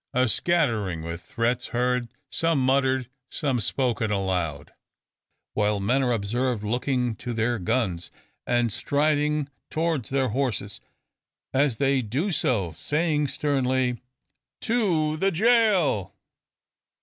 A scattering with threats heard some muttered, some spoken aloud while men are observed looking to their guns, and striding towards their horses; as they do so, saying sternly, "To the jail!"